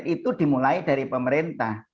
itu dimulai dari pemerintah